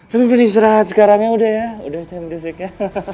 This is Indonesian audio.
tapi boleh istirahat sekarang ya udah ya udah jangan beresik ya